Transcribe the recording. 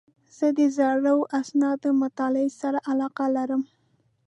زه د زړو اسنادو مطالعې سره علاقه لرم.